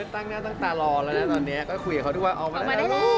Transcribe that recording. ตั้งหน้าตั้งตารอแล้วนะตอนนี้ก็คุยกับเขาทุกวันออกมาได้แล้ว